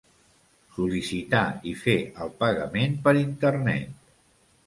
Sol·licitar i fer el pagament per internet.